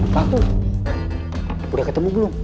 paku udah ketemu belum